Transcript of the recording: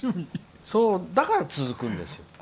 だから続くんですよ。